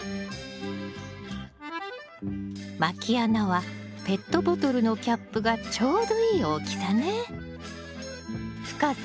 まき穴はペットボトルのキャップがちょうどいい大きさね。